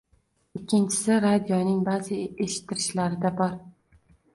Ikkinchisi, radioning ba’zi eshittirishlarida bor.